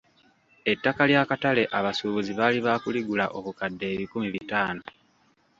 Ettaka ly'akatale abasuubuzi baali baakuligula obukadde ebikumi bitaano.